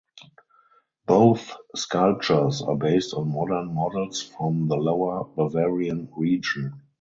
Both sculptures are based on modern models from the Lower Bavarian region.